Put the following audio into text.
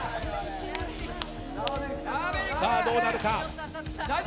さあ、どうなるか。